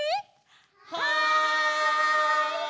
はい！